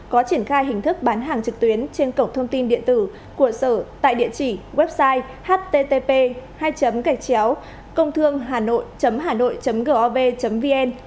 có triển khai hình thức bán hàng trực tuyến trên cổng thông tin điện tử của sở tại địa chỉ website http www http gov vn